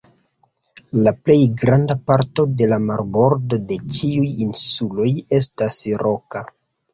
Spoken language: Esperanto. La plej granda parto de la marbordo de ĉiuj insuloj estas roka.